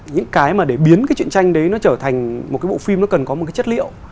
những cái mà để biến cái chuyện tranh đấy nó trở thành một cái bộ phim nó cần có một cái chất liệu